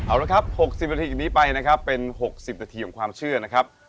เอาละครับ๖๐นาทีจากนี้ไปนะครับเป็น๖๐นาทีของความเชื่อนะครับ